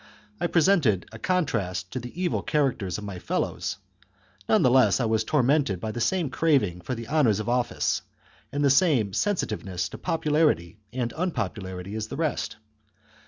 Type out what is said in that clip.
I presented a contrast to the evil charac ters of my fellows, none the less I was tormented by the same craving for the honours of office, and the same sensitiveness to popularity and unpopularity as 4 THE CONSPIRACY OF CATILINE. CHAP. IV. the rest.